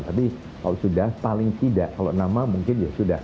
tapi kalau sudah paling tidak kalau nama mungkin ya sudah